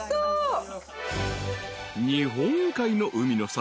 ［日本海の海の幸